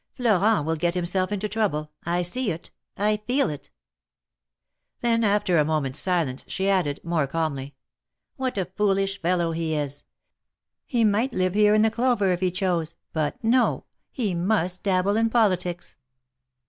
Florent will get himself into trouble. I see it ! I feel it !" Then, after a moment's silence, she added, more calmly : What a foolish fellow he is ! He might live here in clover if he chose, but no! he must dabble in politics.